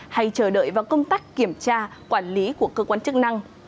hay chờ đợi vào công tác kiểm tra quản lý của cơ quan chức năng